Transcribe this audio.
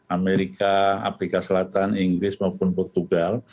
amerika afrika selatan inggris maupun portugal